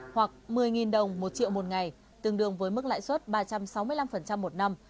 hoặc một mươi đồng một triệu một ngày tương đương với mức lãi suất ba trăm sáu mươi năm một năm